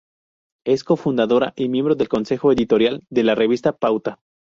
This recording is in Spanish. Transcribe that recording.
Es cofundadora y miembro del Consejo Editorial de la revista "Pauta.